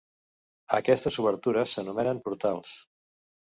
Aquestes obertures s'anomenen portals.